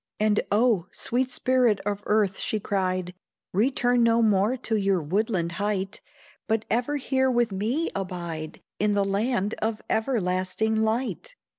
And 'O sweet spirit of earth,' she cried, 'Return no more to your woodland height, But ever here with me abide In the land of everlasting light!